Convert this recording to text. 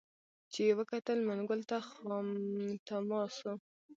چي یې وکتل منګول ته خامتما سو